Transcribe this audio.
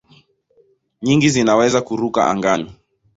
Nyingi zinaweza kuruka angani.